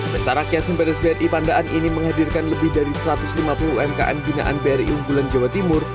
pesta rakyat simperies bri pandaan ini menghadirkan lebih dari satu ratus lima puluh umkm binaan bri unggulan jawa timur